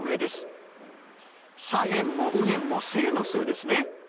左辺も右辺も正の数ですね。